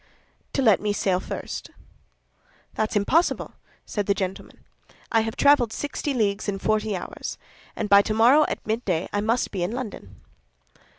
"To let me sail first." "That's impossible," said the gentleman; "I have traveled sixty leagues in forty hours, and by tomorrow at midday I must be in London."